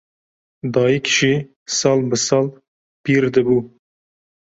Dayîk jî sal bi sal pîr dibû